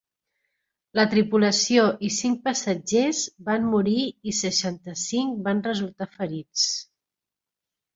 La tripulació i cinc passatgers van morir i seixanta-cinc van resultar ferits.